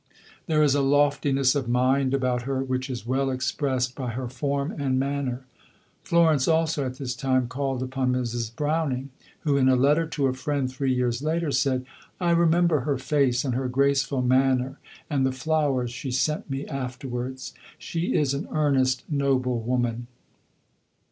There is a loftiness of mind about her which is well expressed by her form and manner." Florence also at this time called upon Mrs. Browning, who in a letter to a friend, three years later, said: "I remember her face and her graceful manner and the flowers she sent me afterwards. She is an earnest, noble woman."